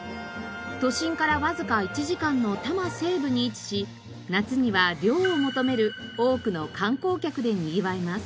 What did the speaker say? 都心からわずか１時間の多摩西部に位置し夏には涼を求める多くの観光客でにぎわいます。